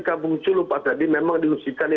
kampung culu pak terni memang diungsikan